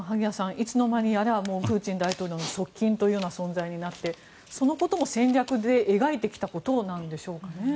いつの間にあれよあれよとプーチン大統領の側近というような存在になってそのことも戦略で描いてきたことなんでしょうか。